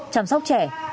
chăm sóc trẻ